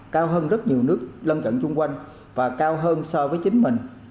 cao hơn rất nhiều nước lân cận chung quanh và cao hơn so với chính mình